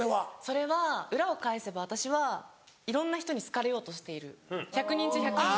それは裏を返せば私はいろんな人に好かれようとしている１００人中１００人に。